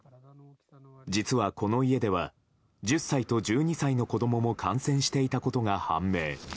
実は、この家では１０歳と１２歳の子供も感染していたことが判明。